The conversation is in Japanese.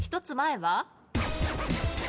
１つ前は？